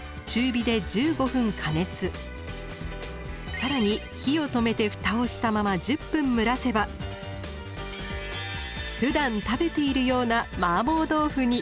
更に火を止めて蓋をしたまま１０分蒸らせばふだん食べているようなマーボー豆腐に。